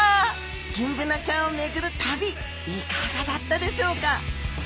ギンブナちゃんを巡る旅いかがだったでしょうか？